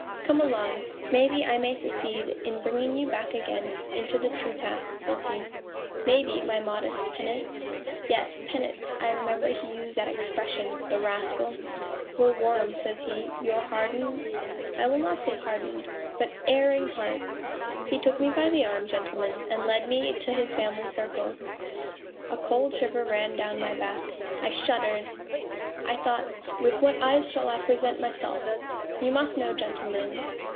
Come along ! Maybe I may succeed in bringing you back again into the true path,' says he ...' maybe, my modest Penates ' (yes, ' Penates,' I remember he used that expression, the rascal) ' will warm,' says he, ' your harden ... I will not say hardened, but erring heart. ...' He took me by the arm, gentlemen, and led me to his family circle. A cold shiver ran down my back; I shuddered ! I thought with what eyes shall I present myself you must know, gentlemen